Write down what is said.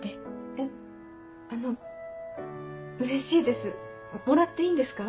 えっあのうれしいですもらっていいんですか？